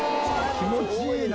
気持ちいいな。